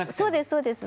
そうです。